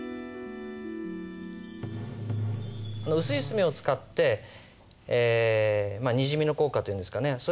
薄い墨を使ってにじみの効果というんですかね